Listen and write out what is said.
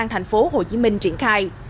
thành phố hồ chí minh triển khai